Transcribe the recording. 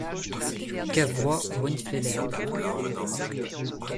Cavrois reniflait l'air.